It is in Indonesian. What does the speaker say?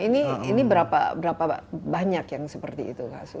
ini berapa banyak yang seperti itu